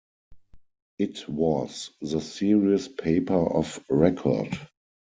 It was the serious paper of record.